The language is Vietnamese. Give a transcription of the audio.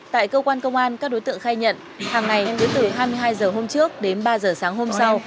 tại cơ quan công an các đối tượng khai nhận hàng ngày cứ từ hai mươi hai h hôm trước đến ba h sáng hôm sau